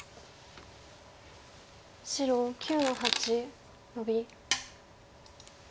白９の八ノビ。